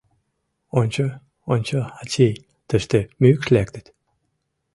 — Ончо, ончо, ачий, тыште мӱкш лектыт.